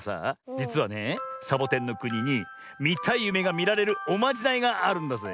じつはねえサボテンのくににみたいゆめがみられるおまじないがあるんだぜえ。